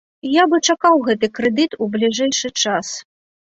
Я бы чакаў гэты крэдыт у бліжэйшы час.